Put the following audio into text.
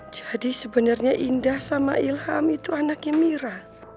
jadi sebenernya indah sama ilham itu anaknya mira